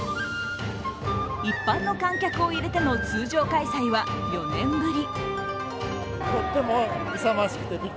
一般の観客を入れての通常開催は４年ぶり。